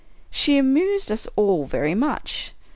She amused us all very much.